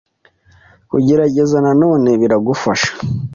Kugerageza na none, biragufasha